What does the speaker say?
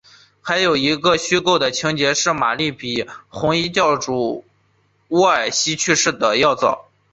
还有一个虚构的情节是玛丽比红衣主教沃尔西去世的要早。